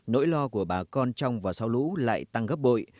nỗi lo của bà con trong và sau lũ lại tăng gấp bội